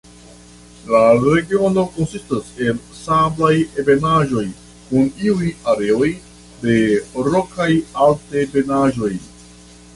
La regiono konsistas el sablaj ebenaĵoj kun iuj areoj de rokaj altebenaĵoj.